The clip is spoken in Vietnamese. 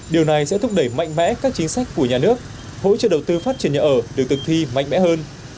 điều này sẽ thúc đẩy mạnh mẽ các chính sách của nhà nước hỗ trợ đầu tư phát triển nhà ở được thực thi mạnh mẽ hơn